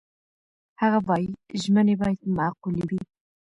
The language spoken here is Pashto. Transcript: هغه وايي، ژمنې باید معقولې وي.